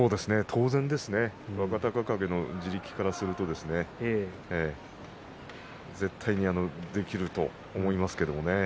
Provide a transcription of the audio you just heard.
当然ですが若隆景の地力からすると絶対にできると思いますけれども。